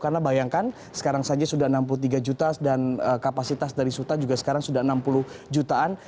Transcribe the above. karena bayangkan sekarang saja sudah enam puluh tiga juta dan kapasitas dari suta juga sekarang sudah enam puluh jutaan